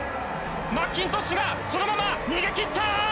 マッキントッシュがそのまま逃げ切ったー！